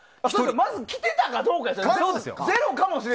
まず来てたかどうかですよ。